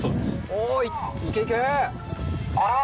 おー、いけいけー。